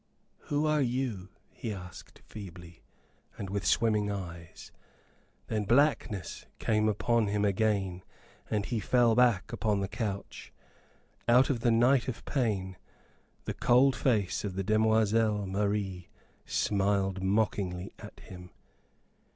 "Who are you?" he asked, feebly, and with swimming eyes. Then blackness came upon him again, and he fell back upon the couch. Out of the night of pain the cold face of the demoiselle Marie smiled mockingly at him!